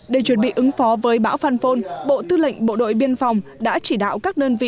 để chuẩn bị ứng phó với bão phan phôn bộ tư lệnh bộ đội biên phòng đã chỉ đạo các đơn vị